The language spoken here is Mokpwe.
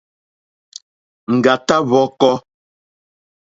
Ŋɡàtá hwɔ̄kɔ̄.